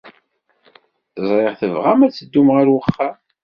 Ẓriɣ tebɣam ad teddum ɣer uxxam.